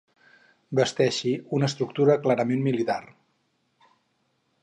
Basteixi una estructura clarament militar.